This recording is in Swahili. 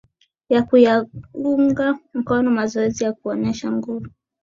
kwa kuyaunga mkono mazoezi ya kuonesha nguvu